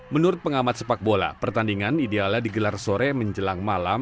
menurut pengamat sepak bola pertandingan idealnya digelar sore menjelang malam